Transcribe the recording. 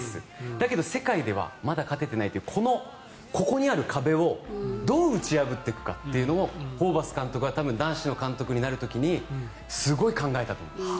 だけど世界ではまだ勝てていないというこの、ここにある壁をどう打ち破っていくかもホーバス監督は多分、男子の監督になる時にすごい考えたと思います。